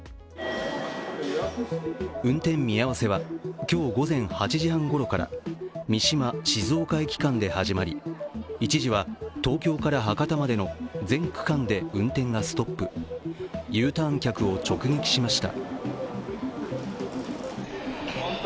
運転見合わせは、今日午前８時半ごろから三島−静岡駅間で始まり、一時は東京から博多までの全区間で運転がストップＵターン客を直撃しました。